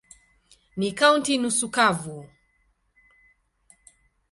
Ni kaunti nusu kavu.